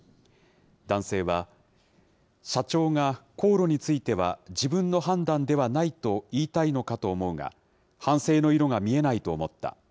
男性は、社長が航路については自分の判断ではないと言いたいのかと思うが、反省の色が見えないと思った。